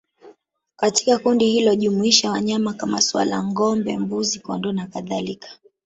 Katika kundi hilo hujumuisha wanyama kama swala ngombe mbuzi kondoo na kadhalika